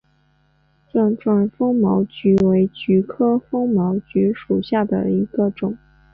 钻状风毛菊为菊科风毛菊属下的一个种。